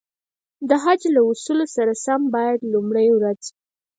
د حج له اصولو سره سم باید لومړی ورځ.